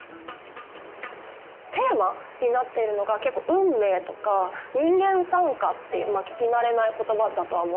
テーマになっているのが結構「運命」とか「人間讃歌」っていうまあ聞き慣れない言葉だとは思うんですけど。